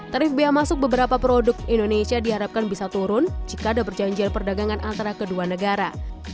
tarif biaya masuk beberapa produk indonesia diharapkan bisa turun jika ada perjanjian perdagangan antara kedua negara